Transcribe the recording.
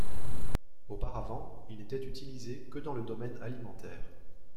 Auparavant, il n'était utilisé que dans le domaine alimentaire.